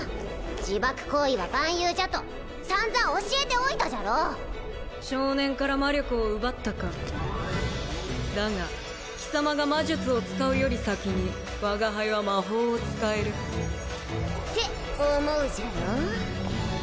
自爆行為は蛮勇じゃと散々教えておいたじゃろう少年から魔力を奪ったかだが貴様が魔術を使うより先に我が輩は魔法を使えるって思うじゃろ？